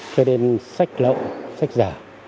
cho nên sách lậu sách giả